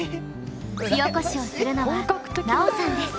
火おこしをするのは奈緒さんです。